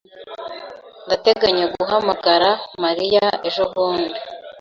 Ndateganya guhamagara Mariya ejobundi.